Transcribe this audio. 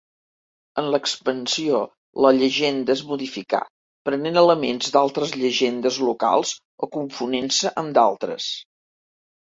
En l'expansió, la llegenda es modificà, prenent elements d'altres llegendes locals o confonent-se amb d'altres.